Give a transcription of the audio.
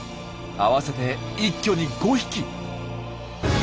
合わせて一挙に５匹！